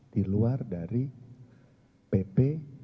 di luar dari pp